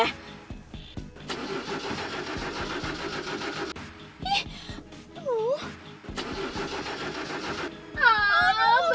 tunggu tunggu tunggu